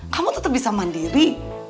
kamu tetep bisa mandiri